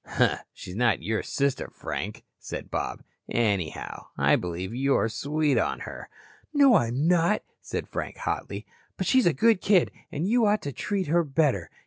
"Huh, she's not your sister, Frank," said Bob. "Anyhow, I believe you're sweet on her." "No, I'm not," said Frank hotly, "but she's a good kid and you ought to treat her better."